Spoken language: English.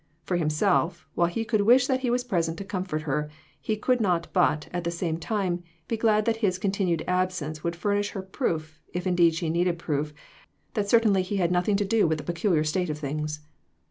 For himself, while he could wish that he was present to comfort her, he could not but, at the same time, be glad that his contin ued absence would furnish her proof, if indeed she needed proof, that certainly he had nothing to do with the peculiar state of things.